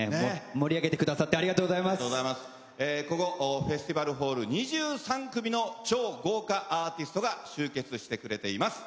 盛り上げてくださってありがとうここフェスティバルホール２３組の超豪華アーティストが集結してくれています。